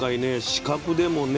視覚でもね